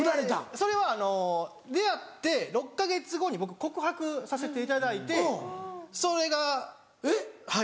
それは出会って６か月後に僕告白させていただいてそれがはい。